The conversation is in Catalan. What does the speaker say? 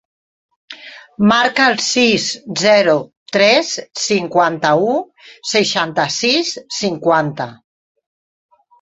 Marca el sis, zero, tres, cinquanta-u, seixanta-sis, cinquanta.